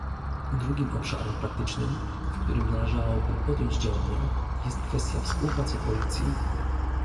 Drugim obszarem praktycznym, w którym należałoby podjąć działania, jest kwestia współpracy policji